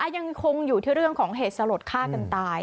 ยังคงอยู่ที่เรื่องของเหตุสลดฆ่ากันตาย